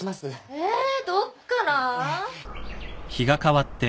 えどっから？